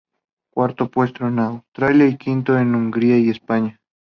Cuarto puesto en Austria y quinto en Hungría y España.